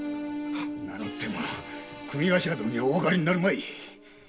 名乗っても組頭殿にはおわかりになるまい。